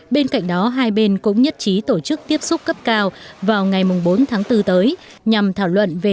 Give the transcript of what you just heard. bên cạnh đó hai bên cũng nhất trí tổ chức tiếp xúc cấp cao vào ngày bốn tháng bốn tới nhằm thảo luận về